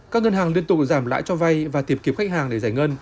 các ngân hàng liên tục giảm lãi cho vai và tiệp kiếp khách hàng để giải ngân